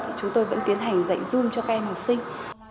thì chúng tôi vẫn tiến hành dạy zoom cho các em học sinh